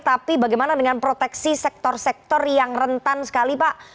tapi bagaimana dengan proteksi sektor sektor yang rentan sekali pak